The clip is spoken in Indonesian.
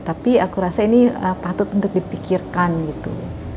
tapi aku rasa ini patut untuk dipikirkan gitu